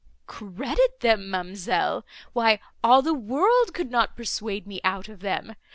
"Credit them, ma'amselle! why all the world could not persuade me out of them.